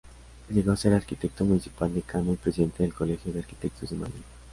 Llegó a ser arquitecto municipal, decano y presidente del colegio de arquitectos de Madrid.